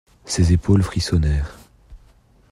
Ses épaules frissonnèrent.